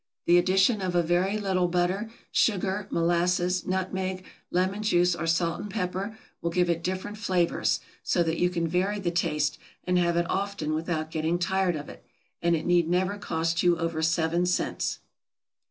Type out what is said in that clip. The addition of a very little butter, sugar, molasses, nutmeg, lemon juice, or salt and pepper, will give it different flavors; so that you can vary the taste, and have it often without getting tired of it, and it need never cost you over seven cents.